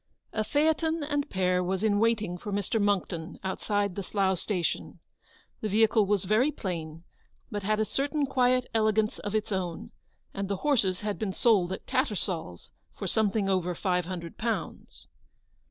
A phaeton and pair was in waiting for Mr. Monckton outside the Slough station. The vehicle was very plain, but had a certain quiet elegance of its own, and the horses had been sold at Tattersairs for something over five hundred pounds.